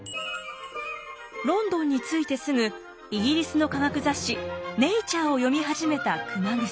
ロンドンに着いてすぐイギリスの科学雑誌「ネイチャー」を読み始めた熊楠。